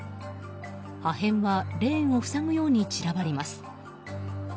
破片はレーンを塞ぐように散らばります。